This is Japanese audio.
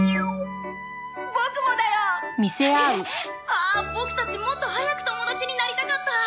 ああボクたちもっと早く友達になりたかった。